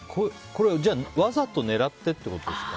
わざと狙ってってことですか？